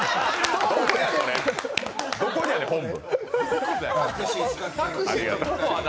どこやねん、本部。